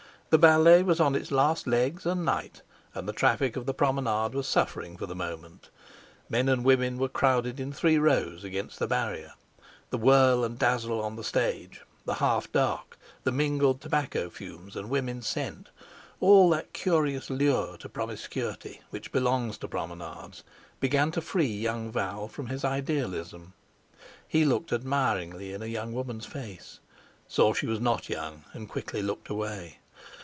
The ballet was on its last legs and night, and the traffic of the Promenade was suffering for the moment. Men and women were crowded in three rows against the barrier. The whirl and dazzle on the stage, the half dark, the mingled tobacco fumes and women's scent, all that curious lure to promiscuity which belongs to Promenades, began to free young Val from his idealism. He looked admiringly in a young woman's face, saw she was not young, and quickly looked away.